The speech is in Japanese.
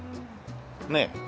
ねえ。